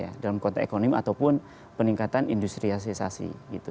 atau peningkatan konteks ekonomi ataupun peningkatan industriasi